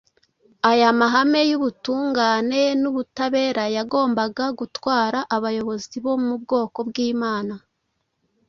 Aya mahame y’ubutungane n’ubutabera yagombaga gutwara abayobozi bo mu bwoko bw’Imana